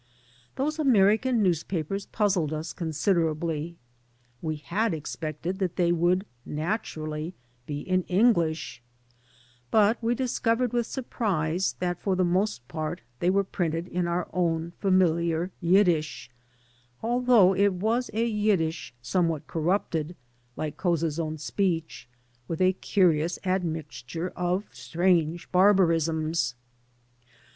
Those American newspapers puzzled us considerably. We had expected that they would naturally be in English, but we discovered with surprise that for the most part they were printed in our own familiar Yiddish, although it was a Yiddish somewhat corrupted, like Couza's own speech, with a curious admixture of strange barbarisms.